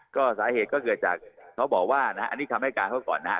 ก็สาเหตุก็เกิดจากเขาบอกว่านะฮะอันนี้คำให้การเขาก่อนนะฮะ